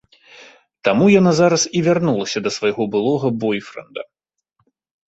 Таму яна зараз і вярнулася да свайго былога бойфрэнда.